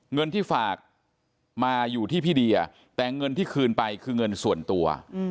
เงินที่ฝากมาอยู่ที่พี่เดียแต่เงินที่คืนไปคือเงินส่วนตัว